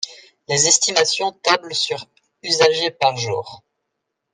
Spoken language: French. Les estimations tablent sur usagers par jour.